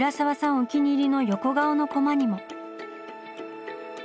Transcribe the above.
お気に入りの横顔のコマにも。